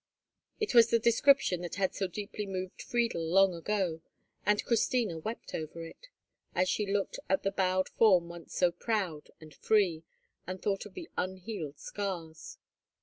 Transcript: It was the description that had so deeply moved Friedel long ago, and Christina wept over it, as she looked at the bowed form once so proud and free, and thought of the unhealed scars.